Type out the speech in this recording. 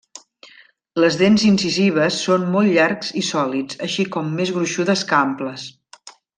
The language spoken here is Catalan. Les dents incisives són molt llargs i sòlids, així com més gruixudes que amples.